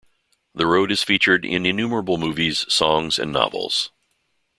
The road is featured in innumerable movies, songs, and novels.